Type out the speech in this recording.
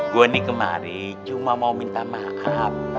gue ini kemari cuma mau minta maaf